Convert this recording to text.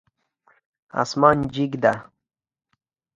اسمان جګ ده